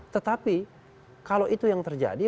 tetapi kalau itu yang terjadi